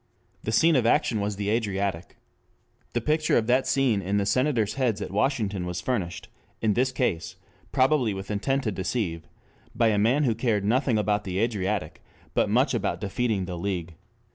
The scene of action was the Adriatic. The picture of that scene in the Senators' heads at Washington was furnished, in this case probably with intent to deceive, by a man who cared nothing about the Adriatic, but much about defeating the League.